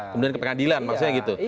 kemudian ke pengadilan maksudnya gitu